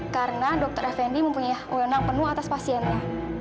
karena dr effendi mempunyai ulenang penuh atas pasiennya